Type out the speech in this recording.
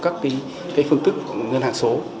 các cái phương tức ngân hàng số